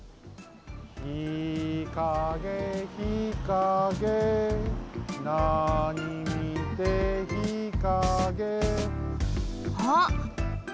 「ひかげひかげなに見てひかげ」あっ！